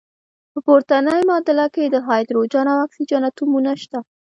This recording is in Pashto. په پورتني معادله کې د هایدروجن او اکسیجن اتومونه شته.